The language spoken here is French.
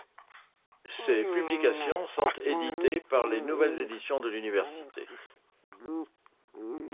Ses publications sont éditées par les Nouvelles Éditions de l’Université.